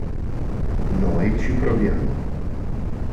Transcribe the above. Noi ci proviamo.